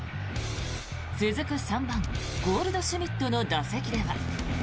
続く３番、ゴールドシュミットの打席では。